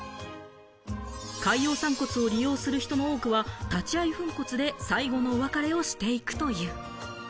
海洋散骨を利用する人の多くは立ち会い粉骨で最後のお別れをしていくという。